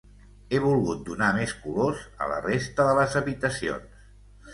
He volgut donar més colors a la resta de les habitacions.